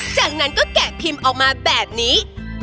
จากนั้นก็แกะพิมพ์ออกมาแบบนี้